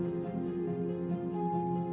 sudara terdakwa ikut ke magelang